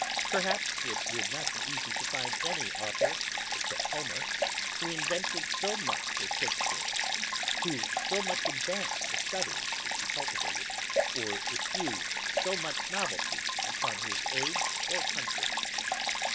Perhaps it would not be easy to find any authour, except Homer, who invented so much as Shakespeare, who so much advanced the studies which he cultivated, or effused so much novelty upon his age or country.